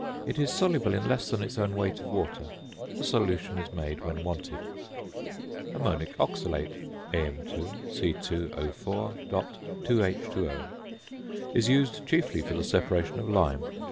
It is soluble in less than its own weight of water. The solution is made when wanted. ~Ammonic Oxalate~ (Am_C_O_.2H_O) is used chiefly for the separation of lime.